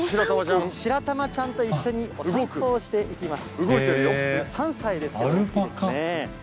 しらたまちゃんと一緒にお散歩をしていきます。